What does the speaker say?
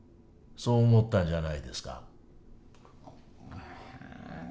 そう思ったんじゃないですか？